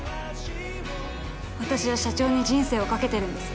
私は社長に人生を懸けてるんです。